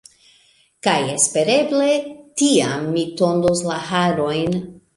Kaj espereble tiam mi tondos la harojn.